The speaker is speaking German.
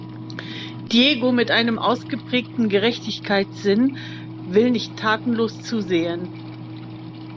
Diego, mit einem ausgeprägten Gerechtigkeitssinn, will nicht tatenlos zusehen.